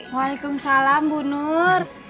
waalaikumsalam bu nur